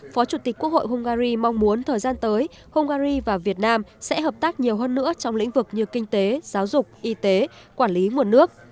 phó chủ tịch quốc hội hungary mong muốn thời gian tới hungary và việt nam sẽ hợp tác nhiều hơn nữa trong lĩnh vực như kinh tế giáo dục y tế quản lý nguồn nước